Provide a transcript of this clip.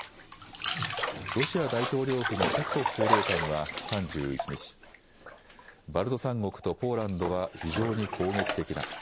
ロシア大統領府のペスコフ報道官は３１日、バルト三国とポーランドは非常に攻撃的だ。